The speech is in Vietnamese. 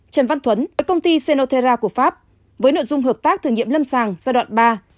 trần văn thuấn tới công ty senotera của pháp với nội dung hợp tác thử nghiệm lâm sàng giai đoạn ba